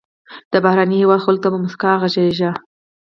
د بهرني هېواد خلکو ته په موسکا غږیږه.